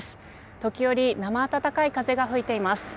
時折なま暖かい風が吹いています。